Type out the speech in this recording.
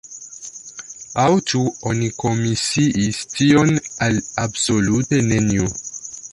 Aŭ ĉu oni komisiis tion al absolute neniu?